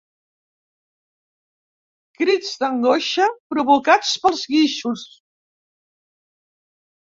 Crits d'angoixa provocats pels guixos.